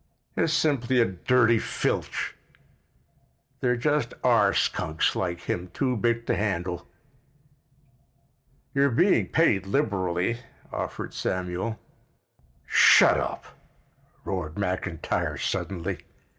"It's simply a dirty filch. There just are skunks like him too big to handle." "You're being paid liberally," offered Samuel. "Shut up!" roared McIntyre suddenly.